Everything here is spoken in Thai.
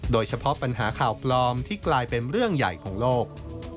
โดยเฉพาะปัญหาข่าวปลอมที่กลายเป็นเรื่องใหญ่ของโลก